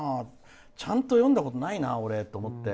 ちゃんと読んだことないな俺って思って。